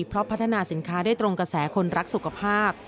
เพราะพัฒนาสินค้าได้ตรงกระแสคนรักสุขภาพ